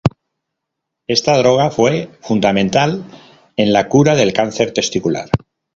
Esta droga fue fundamental en la cura del cáncer testicular.